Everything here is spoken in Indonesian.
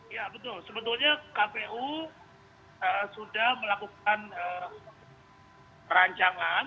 ya betul sebetulnya kpu sudah melakukan perancangan